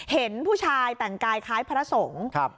เห็นผู้ชายแต่งกายคล้ายพระสงฆ์